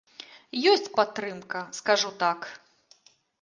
Ёсць падтрымка, скажу так.